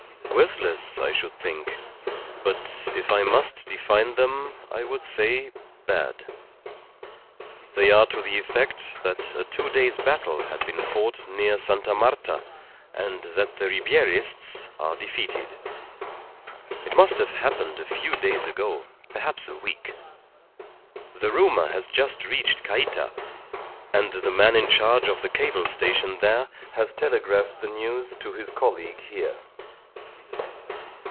"Worthless, I should think. But if I must define them, I would say bad. They are to the effect that a two days' battle had been fought near Sta. Marta, and that the Ribierists are defeated. It must have happened a few days ago perhaps a week. The rumour has just reached Cayta, and the man in charge of the cable station there has telegraphed the news to his colleague here.